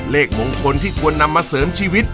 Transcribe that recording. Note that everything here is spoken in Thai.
เลขมงคลที่ควรนำมาเสริมชีวิต